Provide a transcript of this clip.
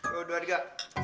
dua dua tiga